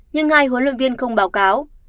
nhưng hai huấn luyện viên không báo cáo